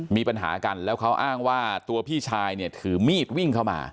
มีปัญหากันแล้วเขาอ้างว่าตัวพี่ชายเนี่ยถือมีดวิ่งเข้ามา